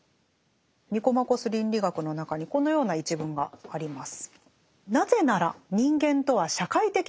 「ニコマコス倫理学」の中にこのような一文があります。